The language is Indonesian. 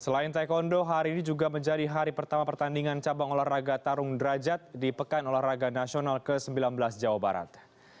selain taekwondo hari ini juga menjadi hari pertama pertandingan cabang olahraga tarung derajat di pekan olahraga nasional ke sembilan belas jawa barat